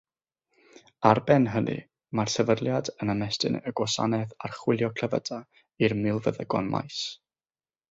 Ar ben hynny, mae'r Sefydliad yn ymestyn y gwasanaeth archwilio clefydau i'r milfeddygon maes.